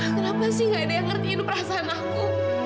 kenapa sih gak ada yang ngertiin perasaan aku